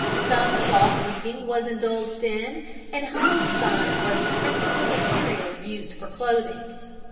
Some cloth weaving was indulged in, and homespun was the principal material used for clothing.